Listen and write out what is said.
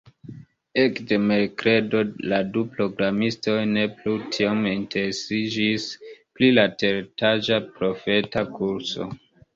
Ekde merkredo la du programistoj ne plu tiom interesiĝis pri la teretaĝa profeta kurso.